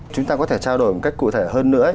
chúng ta có thể trao đổi một cách cụ thể hơn nữa